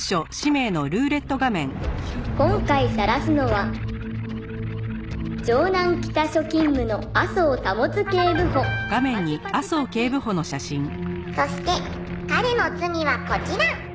「今回さらすのは城南北署勤務の麻生保警部補」「パチパチパチ」「そして彼の罪はこちら！」